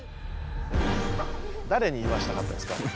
だれに言わしたかったんですか？